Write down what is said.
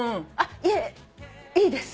いえいいです。